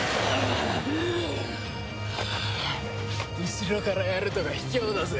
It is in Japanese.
後ろからやるとか卑怯だぜ。